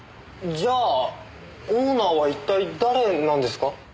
じゃあオーナーは一体誰なんですか？